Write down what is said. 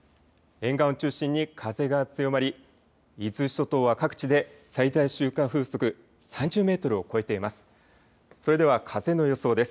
沿岸を中心に風が強まり伊豆諸島は各地で最大瞬間風速３０メートルを超えています。